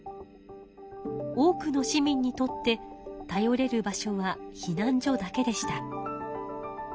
多くの市民にとって頼れる場所は避難所だけでした。